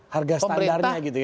harga standarnya gitu ya